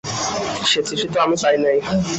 সে চিঠি তো আমি পাই নাই।